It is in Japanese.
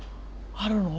あるの？